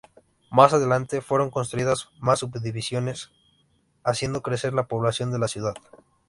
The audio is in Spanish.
Más adelante fueron construidas más subdivisiones haciendo crecer la población de la ciudad.